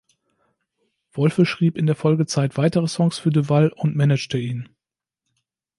Wolfe schrieb in der Folgezeit weitere Songs für Duvall und managte ihn.